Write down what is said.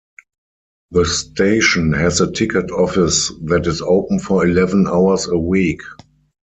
The station has a ticket office that is open for eleven hours a week.